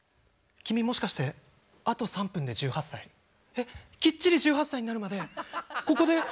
君もしかしてあと３分で１８歳？えきっちり１８歳になるまでここで。